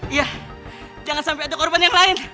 iya jangan sampai ada korban yang lain